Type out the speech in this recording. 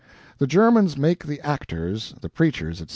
The Germans make the actors, the preachers, etc.